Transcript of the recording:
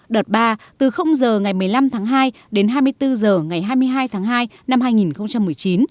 đợt ba từ h ngày một mươi năm tháng hai đến hai mươi bốn h ngày hai mươi hai tháng hai năm hai nghìn một mươi chín